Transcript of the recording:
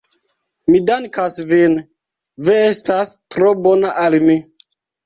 Mi dankas vin, vi estas tro bona al mi.